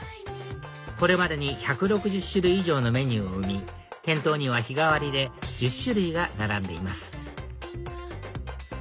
これまでに１６０種類以上のメニューを生み店頭には日替わりで１０種類が並んでいます